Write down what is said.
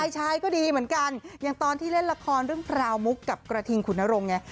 ชายก็ดีเหมือนกันอย่างตอนที่เล่นละครเรื่องพราวมุกกับกระทิงขุนนรงค์ไง